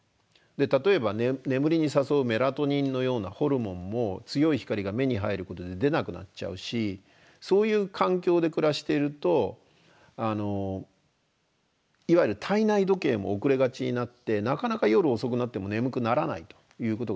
例えば眠りに誘うメラトニンのようなホルモンも強い光が目に入ることで出なくなっちゃうしそういう環境で暮らしているといわゆる体内時計も遅れがちになってなかなか夜遅くなっても眠くならないということが続きます。